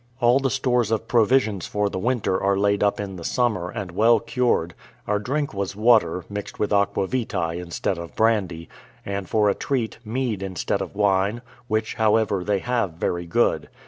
All the stores of provisions for the winter are laid up in the summer, and well cured: our drink was water, mixed with aqua vitae instead of brandy; and for a treat, mead instead of wine, which, however, they have very good.